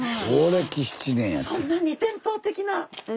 そんなに伝統的な。